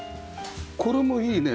これもいいね。